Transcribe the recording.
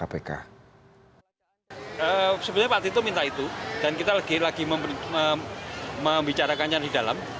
sebenarnya pak tito minta itu dan kita lagi membicarakannya di dalam